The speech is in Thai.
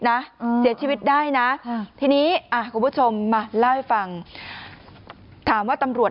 นะเสียชีวิตได้นะทีนี้คุณผู้ชมมาเล่าให้ฟังถามว่าตำรวจ